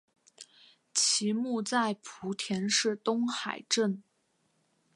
其墓在莆田市东海镇。